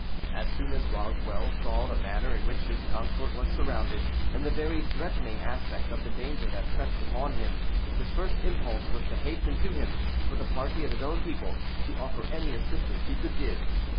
As soon as Roswell saw the manner in which his consort was surrounded, and the very threatening aspect of the danger that pressed upon him, his first impulse was to hasten to him, with a party of his own people, to offer any assistance he could give.